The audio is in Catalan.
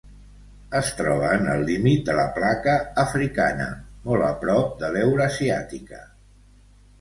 Es troba en el límit de la Placa Africana, molt a prop de l'Eurasiàtica.